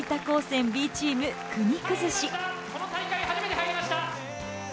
この大会初めて入りました。